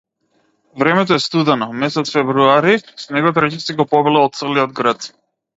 Времето е студено, месец февруари, снегот речиси го побелел целиот град.